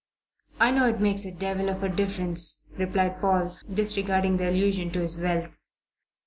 "I know it makes a devil of a difference," replied Paul, disregarding the allusion to his wealth.